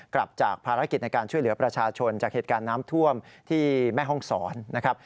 กลับจากภารกิจในการช่วยเหลือประชาชนจากเหตุการณ์น้ำท่วมที่แม่ห้องศรนะครับ